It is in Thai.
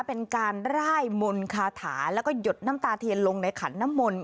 เป็นการร่ายมนต์คาถาแล้วก็หยดน้ำตาเทียนลงในขันน้ำมนต์